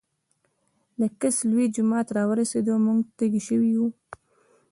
د کڅ لوے جومات راورسېدۀ مونږ تږي شوي وو